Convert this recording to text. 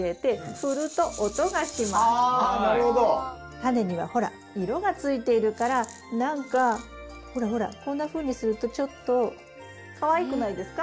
タネにはほら色がついているから何かほらほらこんなふうにするとちょっとかわいくないですか？